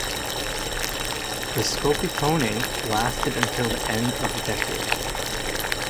The Scopitone lasted until the end of the decade.